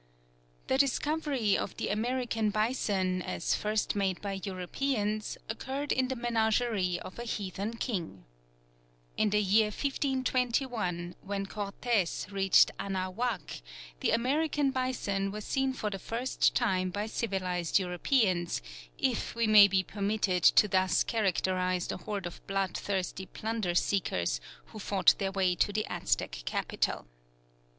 The discovery of the American bison, as first made by Europeans, occurred in the menagerie of a heathen king. In the year 1521, when Cortez reached Anahuac, the American bison was seen for the first time by civilized Europeans, if we may be permitted to thus characterize the horde of blood thirsty plunder seekers who fought their way to the Aztec capital.